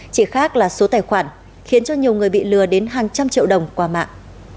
chỉ khác là số tài khoản khiến cho nhiều người bị lừa đến hàng trăm triệu đồng qua mạng